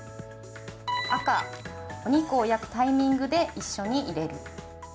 赤・お肉を焼くタイミングで一緒に入れる。